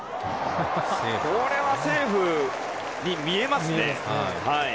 これはセーフに見えますね。